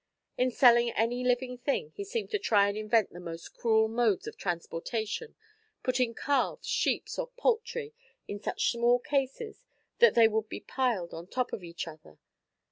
In selling any living thing he seemed to try and invent the most cruel modes of transportation, putting calves, sheep or poultry in such small cases that they would be piled on top of each other.